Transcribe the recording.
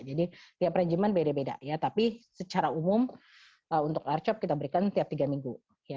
jadi tiap renjiman beda beda ya tapi secara umum untuk larcop kita berikan setiap tiga minggu